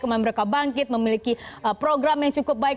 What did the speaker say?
kemudian mereka bangkit memiliki program yang cukup baik